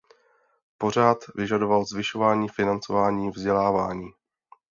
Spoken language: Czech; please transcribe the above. Pořád vyžadoval zvyšování financování vzdělávání.